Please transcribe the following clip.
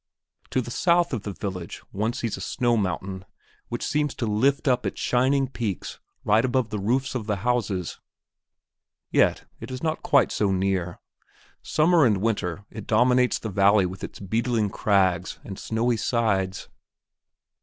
To the south of the village one sees a snow mountain which seems to lift up its shining peaks right above the roofs of the houses. Yet it is not quite so near. Summer and winter it dominates the valley with its beetling crags and snowy sides.